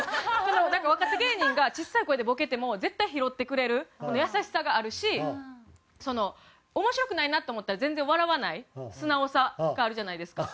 なんか若手芸人が小さい声でボケても絶対拾ってくれる優しさがあるし面白くないなって思ったら全然笑わない素直さがあるじゃないですか。